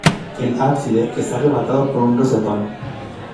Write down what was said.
El ábside está rematado por un rosetón.